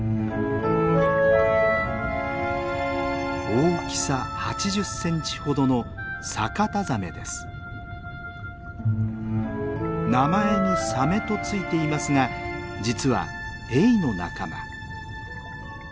大きさ８０センチほどの名前にサメと付いていますが実はエイの仲間。